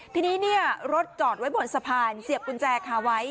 ทีนี้รถจอดไว้บนสะพานเสียบกุญแจคาไว้